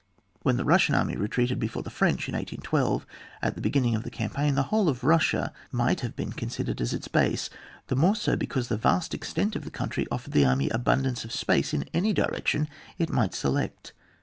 When the Bus sian army retreated before the French in 1812, at the beginning of the campaign the whole of Bussia might have been considered as its base, the more so be cause the vast extent of the coimtry offered the army abundance of space in any direction it might select.